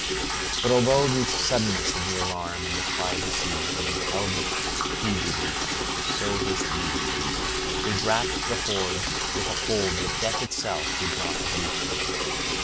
But although the suddenness of the alarm and the cry of Caesar had impelled the freebooters to so hasty a retreat, they grasped the hoard with a hold that death itself would not have loosened.